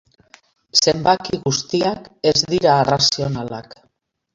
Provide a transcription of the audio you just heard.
Zenbaki guztiak ez dira arrazionalak.